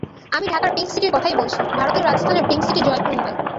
আমি ঢাকার পিংক সিটির কথাই বলছি, ভারতের রাজস্থানের পিংক সিটি জয়পুর নয়।